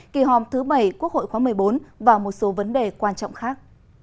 kỳ hòm thứ bảy quốc hội khóa một mươi bốn và một số vấn đề quan trọng khác